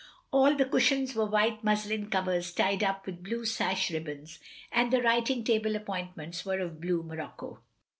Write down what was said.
All the cushions wore white muslin covers tied up with blue sash ribbons, and the writing table appointments were of blue morocco.